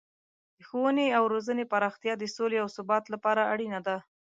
د ښوونې او روزنې پراختیا د سولې او ثبات لپاره اړینه ده.